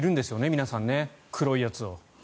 皆さん黒いやつを。